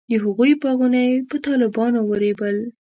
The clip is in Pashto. د هغوی باغونه یې په طالبانو ورېبل.